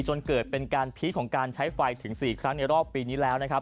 จนเกิดเป็นการพีคของการใช้ไฟถึง๔ครั้งในรอบปีนี้แล้วนะครับ